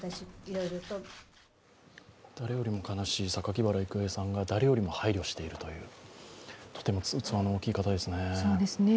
誰よりも悲しい榊原郁恵さんが誰よりも配慮しているというとても器の大きい方ですね。